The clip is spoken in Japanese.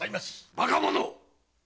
バカ者っ！